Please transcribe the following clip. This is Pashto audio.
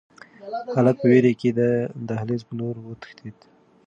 هلک په وېره کې د دهلېز په لور وتښتېد.